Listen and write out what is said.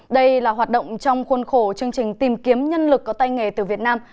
đây là hoạt động trong khuôn khổ chương trình tìm kiếm nhân lực có tay nghề từ việt nam